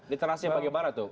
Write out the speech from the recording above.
literasi bagaimana tuh